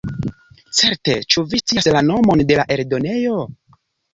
Certe, ĉu vi scias la nomon de la eldonejo?